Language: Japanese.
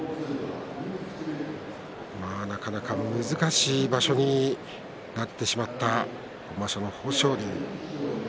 なかなか難しい場所になってしまった豊昇龍です。